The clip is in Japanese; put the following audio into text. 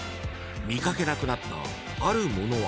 ［見掛けなくなったあるものは］